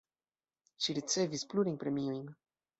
Ŝi ricevis plurajn premiojn.